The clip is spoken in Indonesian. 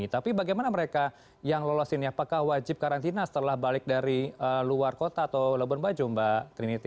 tapi bagaimana mereka yang lolos ini apakah wajib karantina setelah balik dari luar kota atau labuan bajo mbak trinity